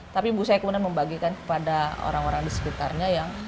tapi ibu saya kemudian membagikan kepada orang orang di sekitarnya yang